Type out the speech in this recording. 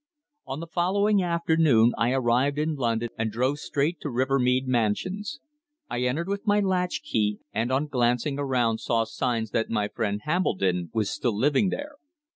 On the following afternoon I arrived in London and drove straight to Rivermead Mansions. I entered with my latchkey, and on glancing around saw signs that my friend Hambledon was still living there.